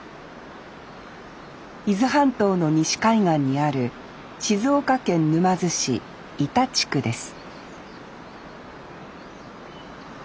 伊豆半島の西海岸にある静岡県沼津市井田地区です